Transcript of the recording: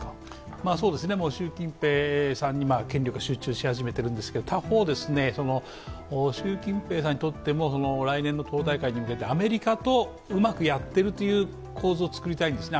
習近平さんに権力が集中し始めているんですけど他方、習近平さんにとっても来年の党大会に向けてアメリカとうまくやっているという構図を作りたいんですね。